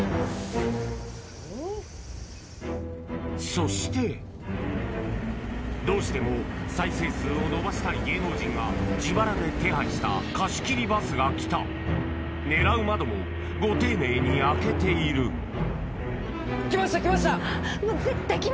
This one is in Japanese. そしてどうしても再生数を伸ばしたい芸能人が自腹で手配した貸し切りバスが来た狙う窓もご丁寧に開けている来ました来ました！